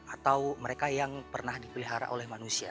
atau mereka yang pernah dipelihara oleh manusia